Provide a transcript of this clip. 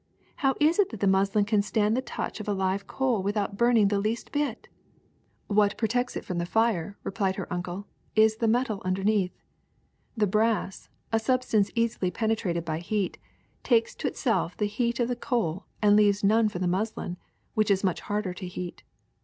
''How is it that the muslin can stand the touch of a live coal without burning the least bit ?" ''Wliat protects it from the fire," replied her uncle, ''is the metal underneath. The brass, a sub stance easily penetrated by heat, takes to itself the heat of the coal and leaves none for the muslin, which is much harder to heat.